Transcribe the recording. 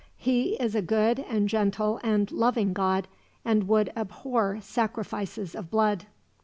He is a good and gentle and loving God, and would abhor sacrifices of blood."